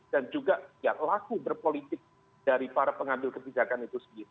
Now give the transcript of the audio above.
dan juga yang laku berpolitik dari para pengambil kebijakan itu sendiri